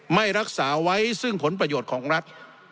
ไม่รักษาไว้ซึ่งผลประโยชน์ของรัฐ